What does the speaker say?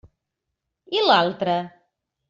I l'altra?